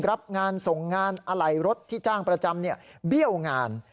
รับงานส่งงานอะไหล่รถที่จ้างประจำเบี้ยวงาน